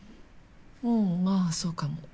うんまぁそうかも。